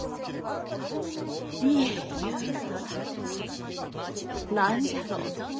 家ゆうがは何じゃろうのう？